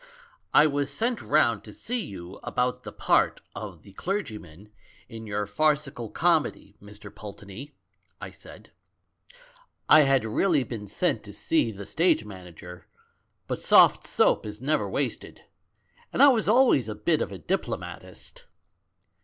*' 'I was sent round to see you about the part of the clergyman in your farcical comedy, Mr, Pulteney,' I said. I had really been sent to see the stage manager, but soft soap is never wasted, and I was always a bit of a diplomatist.